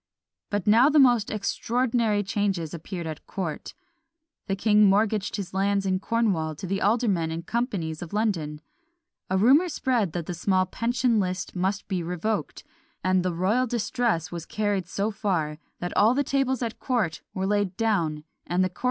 But now the most extraordinary changes appeared at court. The king mortgaged his lands in Cornwall to the aldermen and companies of London. A rumour spread that the small pension list must be revoked; and the royal distress was carried so far, that all the tables at court were laid down, and the courtiers put on board wages!